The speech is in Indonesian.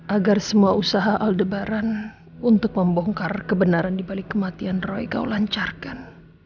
agar semua usaha aldebaran untuk membongkar kebenaran dibalik kematian roy kau lancarkan